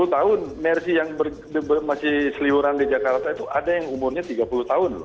sepuluh tahun mercy yang masih seliwuran di jakarta itu ada yang umurnya tiga puluh tahun loh